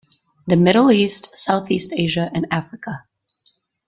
The Middle East, Southeast Asia and Africa.